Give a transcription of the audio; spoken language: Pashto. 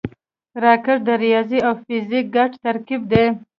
راکټ د ریاضي او فزیک ګډ ترکیب دی